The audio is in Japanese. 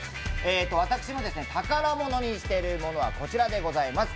私は宝物にしているものはこちらでございます。